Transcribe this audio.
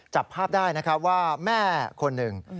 จับภาพได้นะครับว่าแม่คนหนึ่ง